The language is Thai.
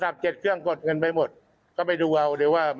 เพราะว่า